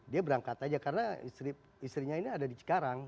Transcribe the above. dia berangkat saja karena istrinya ini ada di cekarang